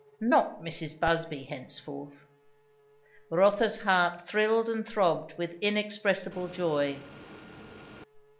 Not Mrs. Busby henceforth. Rotha's heart thrilled and throbbed with inexpressible joy.